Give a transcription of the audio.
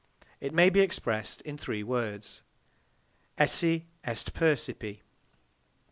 It may be expressed in three words: esse est percipi.